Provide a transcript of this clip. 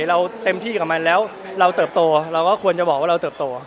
เราเต็มที่กับมันแล้วเราเติบโตเราก็ควรจะบอกว่าเราเติบโต